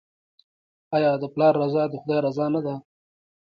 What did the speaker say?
آیا د پلار رضا د خدای رضا نه ده؟